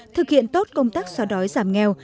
thực hiện tốt công tác xóa đói giảm nghèo